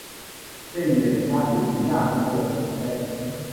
背眼虾虎鱼亚科的种类。